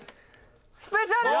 スペシャル！